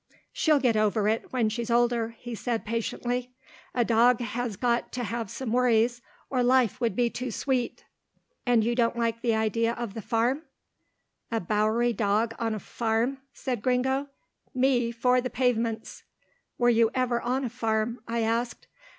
"She'll get over it, when she's older," he said patiently. "A dog has got to have some worries, or life would be too sweet." "And you don't like the idea of the farm?" "A Bowery dog on a farm!" said Gringo. "Me for the pavements." "Were you ever on a farm?" I asked.